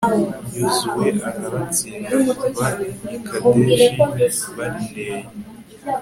yozuwe arabatsinda kuva i kadeshi barineya